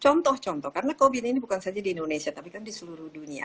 contoh contoh karena covid ini bukan saja di indonesia tapi kan di seluruh dunia